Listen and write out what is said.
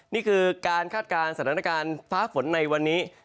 นี่คือการคาดการณ์สถานการณ์ฟ้าฝนในวันนี้